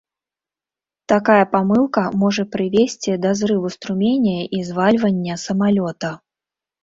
Такая памылка можа прывесці да зрыву струменя і звальвання самалёта.